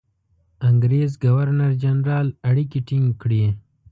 انګرېز ګورنرجنرال اړیکې ټینګ کړي.